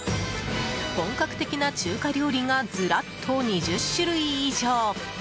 本格的な中華料理がずらっと２０種類以上！